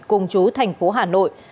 cùng chú thành phố hà nội